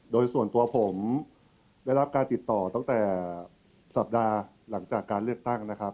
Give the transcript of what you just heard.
โดยส่วนตัวผมได้รับการติดต่อตั้งแต่สัปดาห์หลังจากการเลือกตั้งนะครับ